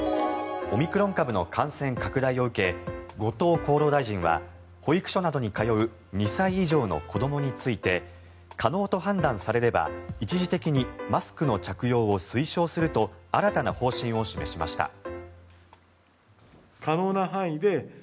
オミクロン株の感染拡大を受け後藤厚労大臣は保育所などに通う２歳以上の子どもについて可能と判断されれば、一時的にマスクの着用を推奨すると新たな方針を示しました。